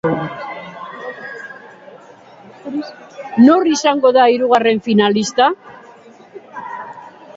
Nor izango da hirugarren finalista?